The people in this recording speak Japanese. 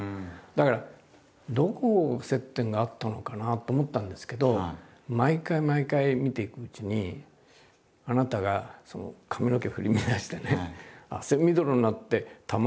だからどこを接点があったのかなと思ったんですけど毎回毎回見ていくうちにあなたが髪の毛振り乱してね